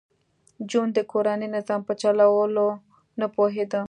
جون د کورني نظام په چلولو نه پوهېده